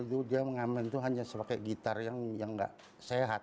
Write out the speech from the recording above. dulu dulu dia menga main itu hanya sebagai gitar yang nggak sehat